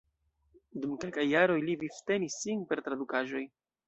Dum kelkaj jaroj li vivtenis sin per tradukaĵoj.